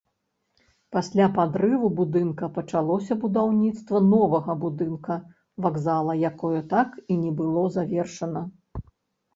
Пасля падрыву будынка пачалося будаўніцтва новага будынка вакзала, якое так і не было завершана.